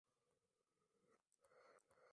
hakukumaanisha utulivu wa nchi hiyo moja kwa moja